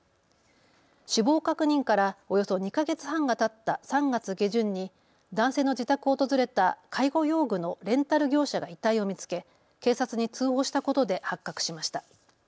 死亡確認からおよそ２か月半がたった３月下旬に男性の自宅を訪れた介護用具のレンタル業者が遺体を見つけ、警察に通報したことで発覚しました。